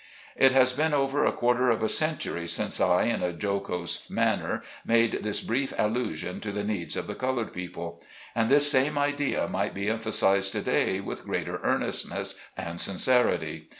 It has been over a quarter of a century since I in a jocose manner made this brief allusion to the needs of the colored people. And this same idea might be emphasized to day with greater earnestness and sincerity.